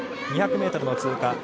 ２００ｍの通過。